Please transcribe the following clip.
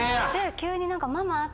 急に。